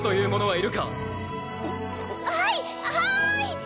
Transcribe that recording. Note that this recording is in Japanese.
はいはい！